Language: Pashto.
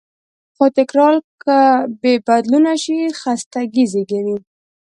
خو تکرار که بېبدلونه شي، خستګي زېږوي.